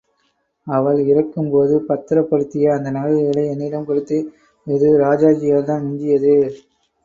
அவள் இறக்கும்போது, பத்திரப்படுத்திய அந்தநகைகளை என்னிடம்கொடுத்து, இது ராஜாஜியால் தான் மிஞ்சியது.